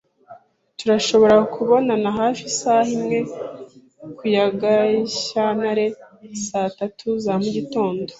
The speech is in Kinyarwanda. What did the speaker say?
Turashobora kubonana hafi isaha imwe ku ya Gashyantare saa tatu za mugitondo?